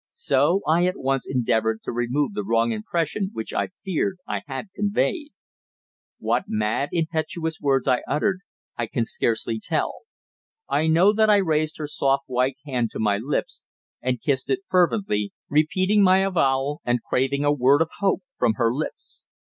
So I at once endeavoured to remove the wrong impression which I feared I had conveyed. What mad, impetuous words I uttered I can scarcely tell. I know that I raised her soft white hand to my lips and kissed it fervently, repeating my avowal and craving a word of hope from her lips.